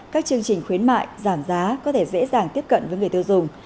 các chương trình khuyến mại giảm giá có thể dễ dàng tiếp cận với người tiêu dùng